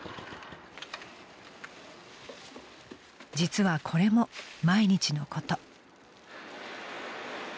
［実はこれも毎日のこと］